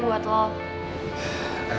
sini tah selamat ketahuan